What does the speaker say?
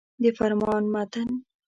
د فرمان متن.